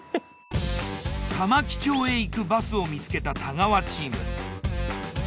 玉城町へ行くバスを見つけた太川チーム。